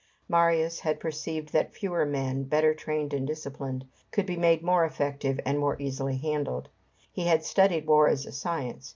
Marius had perceived that fewer men, better trained and disciplined, could be made more effective and be more easily handled. He had studied war as a science.